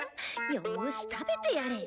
よし食べてやれ。